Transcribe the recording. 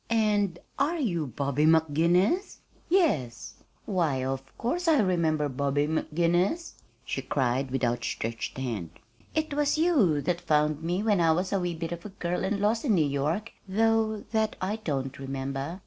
"And are you Bobby McGinnis?" "Yes." "Why, of course I remember Bobby McGinnis," she cried, with outstretched hand. "It was you that found me when I was a wee bit of a girl and lost in New York, though that I don't remember.